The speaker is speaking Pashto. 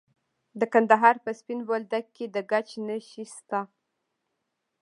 د کندهار په سپین بولدک کې د ګچ نښې شته.